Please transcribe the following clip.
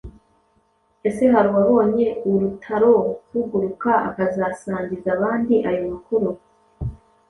ese haruwabonye urutaro ruguruka akazasangiza abandi ayo makuru?